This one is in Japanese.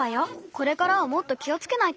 これからはもっと気をつけないと。